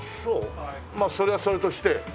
まあそれはそれとしてハハハ。